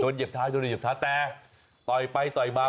เหยียบท้ายโดนเหยียบเท้าแต่ต่อยไปต่อยมา